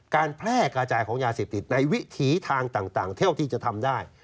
การแพร่กระจายของยาเสพติดในวิถีทางต่างเท่าที่จะทำได้